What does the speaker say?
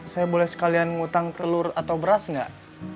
saya boleh sekalian ngutang telur atau beras nggak